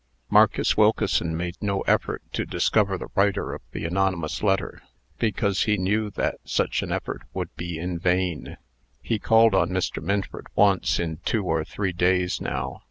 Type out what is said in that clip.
Marcus Wilkeson made no effort to discover the writer of the anonymous letter, because he knew that such an effort would be in vain. He called on Mr. Minford once in two or three days now.